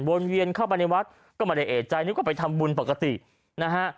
เวียนเข้าไปในวัดก็ไม่ได้เอกใจนึกว่าไปทำบุญปกตินะฮะ